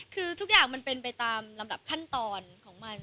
คือทุกอย่างมันเป็นไปตามลำดับขั้นตอนของมัน